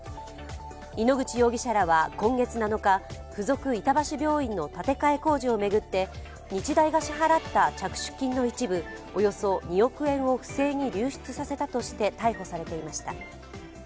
井ノ口容疑者らは今月７日付属板橋病院の建て替え工事を巡って日大が支払った着手金の一部およそ２億円を不正に流出させたとして逮捕されていました。